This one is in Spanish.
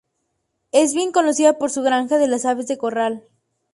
Es bien conocida por su granja de las aves de corral.